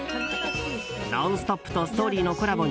「ノンストップ！」と「ＳＴＯＲＹ」のコラボ